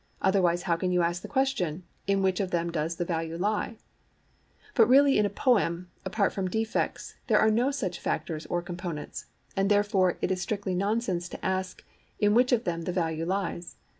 Otherwise how can you ask the question, In which of them does the value lie? But really in a poem, apart from defects, there are no such factors or components; and therefore it is strictly nonsense to ask in which of them the value lies.